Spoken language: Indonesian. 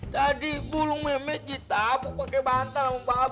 tadi bulu memet ditabuk pake bantal sama babi